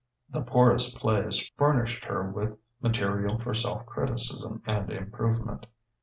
The poorest plays furnished her with material for self criticism and improvement.